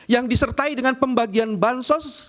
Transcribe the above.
yang disertai dengan pembagian bansos